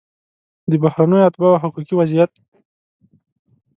د بهرنیو اتباعو حقوقي وضعیت